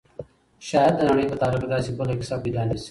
شاید د نړۍ په تاریخ کې داسې بله کیسه پیدا نه شي.